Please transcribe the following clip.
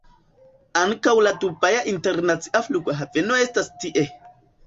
Ankaŭ la Dubaja Internacia Flughaveno estas tie.